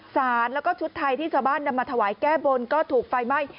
สารแล้วก็ชุดไทยที่ชาวบ้านนำมาถวายแก้บนก็ถูกไฟไหม้